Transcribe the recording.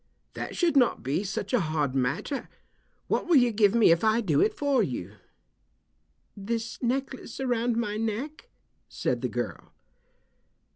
"That should not be such a hard matter. What will you give me if I do it for you?" "This necklace around my neck," said the girl.